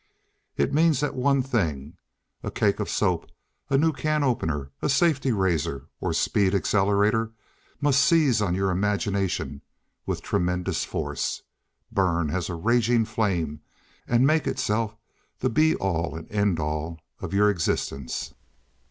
It means that one thing, a cake of soap, a new can opener, a safety razor, or speed accelerator, must seize on your imagination with tremendous force, burn as a raging flame, and make itself the be all and end all of your existence.